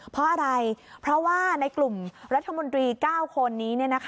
เพราะอะไรเพราะว่าในกลุ่มรัฐมนตรี๙คนนี้